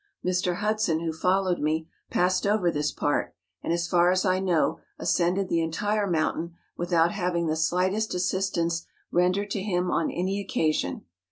Mr. Hudson, who followed me, passed over this part, and, as far as I know, as¬ cended the entire mountain without having the slightest assistance rendered to him on any occasion.